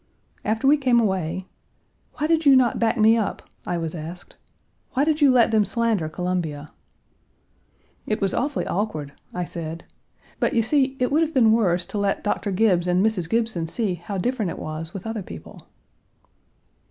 After we came away, "Why did you not back me up?" I was asked. "Why did you let them slander Columbia?" Page 171 "It was awfully awkward," I said, "but you see it would have been worse to let Doctor Gibbes and Mrs. Gibson see how different it was with other people."